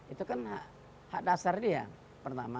itu kan hak dasar dia pertama